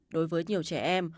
đối với nhiều trẻ em